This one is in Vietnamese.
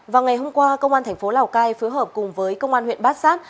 vào ngày hôm qua công an thành phố lào cai phối hợp cùng với công an huyện bát sát